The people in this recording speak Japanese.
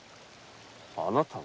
あなたが？